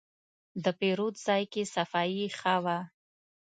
د پیرود ځای کې صفایي ښه وه.